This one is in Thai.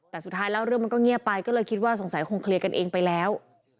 แต่สุดท้ายแล้วเรื่องมันก็เงียบไปก็เลยคิดว่าสงสัยคงเคลียร์กันเองไปแล้ว